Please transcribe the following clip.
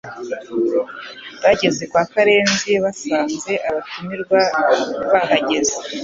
Bageze kwa Karenzi basanze abatumirwa bahageze